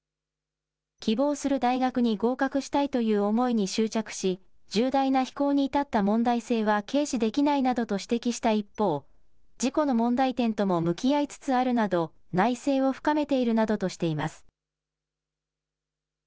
希望する大学に合格したいという思いに執着し、重大な非行に至った問題性は軽視できないなどと指摘した一方、自己の問題点とも向き合いつつあるなど、内省を深めているなどとしています。